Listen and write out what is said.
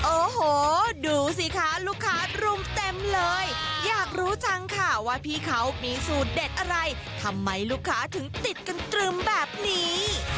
โอ้โหดูสิคะลูกค้ารุมเต็มเลยอยากรู้จังค่ะว่าพี่เขามีสูตรเด็ดอะไรทำไมลูกค้าถึงติดกันตรึมแบบนี้